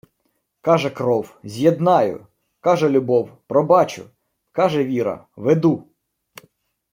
Каже кров: з'єднаю! Каже любов: пробачу! Каже віра: веду!